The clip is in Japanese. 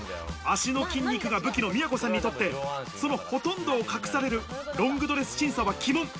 足の筋肉が武器の都さんにとって、そのほとんどを隠されるロングドレス審査は鬼門。